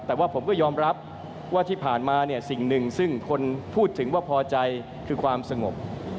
แต่ว่าผมก็ยอมรับว่าที่ผ่านมาเนี่ยสิ่งหนึ่งซึ่งคนพูดถึงว่าพอใจคือความสงบ